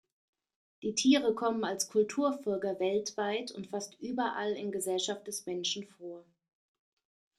Die Tiere kommen als Kulturfolger weltweit und fast überall in Gesellschaft des Menschen vor.